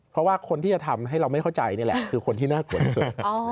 เพราะว่าคนที่จะทำให้เราไม่เข้าใจนี่แหละคือคนที่น่ากลัวที่สุด